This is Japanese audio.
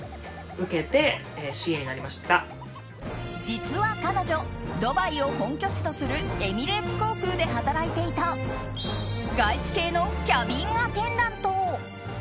実は彼女ドバイを本拠地とするエミレーツ航空で働いていた外資系のキャビンアテンダント。